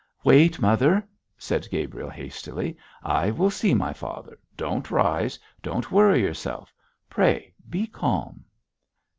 'Wait, mother,' said Gabriel, hastily. 'I will see my father. Don't rise; don't worry yourself; pray be calm.'